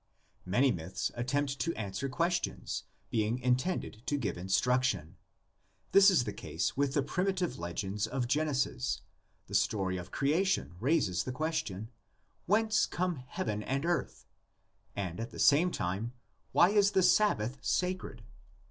Many myths attempt to answer questions, being intended to give instruction. This is the case with the primitive legends of Genesis: the story of crea tion raises the question, Whence come heaven and earth? and at the same time. Why is the Sabbath sacred?